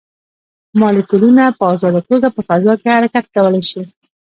مالیکولونه په ازاده توګه په فضا کې حرکت کولی شي.